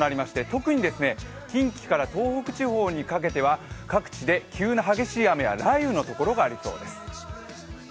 特に近畿から東北地方にかけては各地で急な激しい雨や雷雨の所がありそうです。